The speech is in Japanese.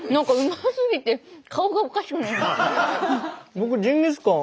僕ジンギスカン